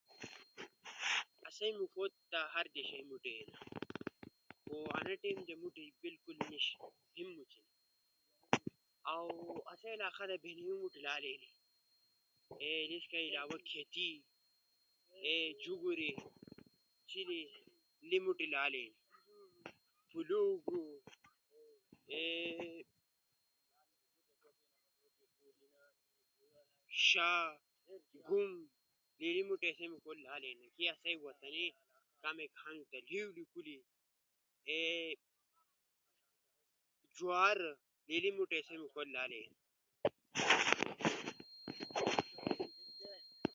اسئ موشو تی انیدیس زو در جیئ ھم اسئ موشو تی نی النہ کی اسئ دیشا ھیم ہنی کی انا دیزو در لالئ ھیم موجی نی جین ھیمی واش ہنو